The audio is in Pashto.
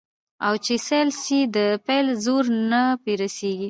او چي سېل سي د پیل زور نه په رسیږي